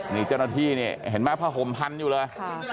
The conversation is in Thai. นี่เจ้าหน้าที่นี่เห็นไหมผ้าห่มพันอยู่เลย